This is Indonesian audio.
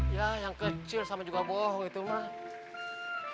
ya yang kecil sama juga bohong itu mah